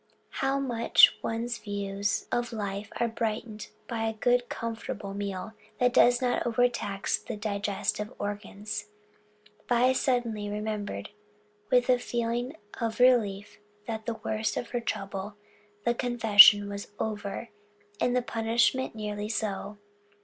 How much one's views of life are brightened by a good comfortable meal that does not overtax the digestive organs. Vi suddenly remembered with a feeling of relief that the worst of her trouble the confession was over, and the punishment nearly so.